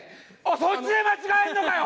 そっちで間違えんのかよ！